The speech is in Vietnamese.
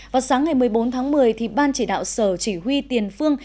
vào sáng ngày một mươi bốn tháng một mươi ban chỉ đạo sở chỉ huy tiền phương